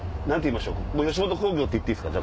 吉本興業って言っていいっすか。